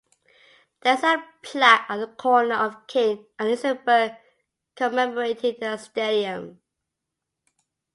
There is a plaque at the corner of King and Isenberg commemorating the stadium.